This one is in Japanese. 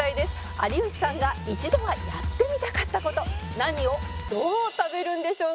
「有吉さんが一度はやってみたかった事何をどう食べるんでしょうか？」